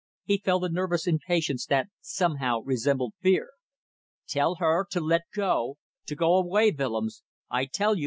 He felt a nervous impatience that, somehow, resembled fear. "Tell her to let go, to go away, Willems, I tell you.